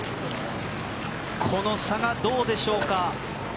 この差がどうでしょうか。